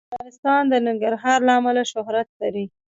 افغانستان د ننګرهار له امله شهرت لري.